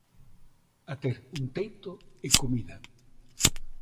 A ter un teito e comida.